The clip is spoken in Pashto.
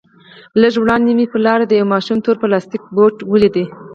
لږ وړاندې مې پر لاره د يوه ماشوم تور پلاستيكي بوټ وليد.